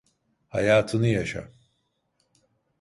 Hayatını yaşa.